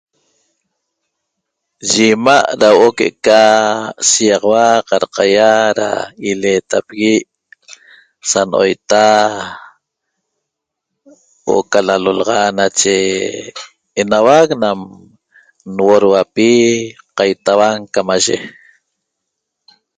Yi 'ima' ra huo'o que'eca shiýaxaua qadqaýa ra ileetapigui' sa no'oita huo'o ca lalolaxa nache enauac nam nuhoduapi qaitauan camaye